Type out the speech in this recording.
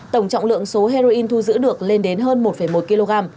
tổng trọng lượng số heroin thu giữ được lên đến hơn một một kg